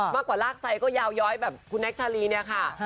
มากกว่ารากไซยาวย้อยแบบคุณแน็กชาลีค่ะ